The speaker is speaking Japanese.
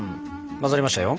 混ざりましたよ。